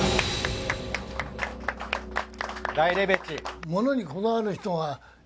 大レベチ。